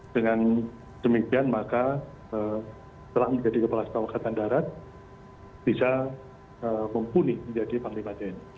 dengan demikian maka setelah menjadi kepala staf angkatan darat bisa mumpuni menjadi panglima tni